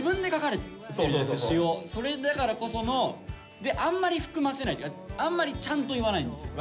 それだからこそのであんまり含ませないっていうかあんまりちゃんと言わないんですよ。